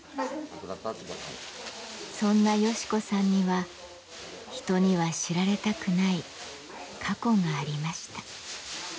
そんなヨシ子さんには人には知られたくない過去がありました。